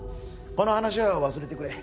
この話は忘れてくれ。